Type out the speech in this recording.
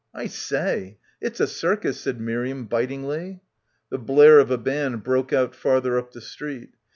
"I say; it's a circus," said Miriam bitingly. The blare of a band broke out farther up the street.